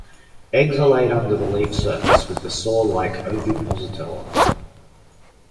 Eggs are laid under the leaf surface with the saw-like ovipositor.